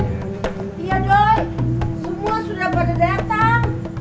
iya doi semua sudah baru datang